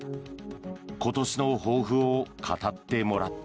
今年の抱負を語ってもらった。